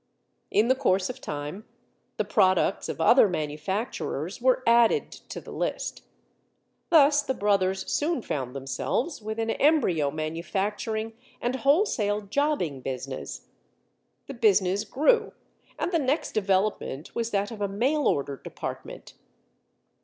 In the course of time, the products of other manufacturers were added to the list. Thus the brothers soon found themselves with an embryo manufacturing and wholesale jobbing business. The business grew, and the next development was that of a mail order department.